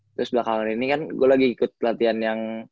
terus belakangan ini kan gue lagi ikut pelatihan yang